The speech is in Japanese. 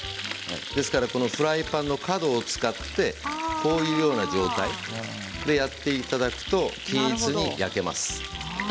ですからフライパンの角を使ってこういう状態でやっていただくと均一に焼けます。